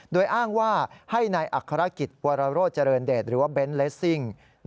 โดยอ้างว่าให้นายอัครกิจวรโรเจริญเดชหรือว่าเบนท์เลสซิ่ง